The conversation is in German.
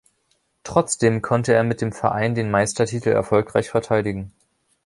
Trotzdem konnte er mit dem Verein den Meistertitel erfolgreich verteidigen.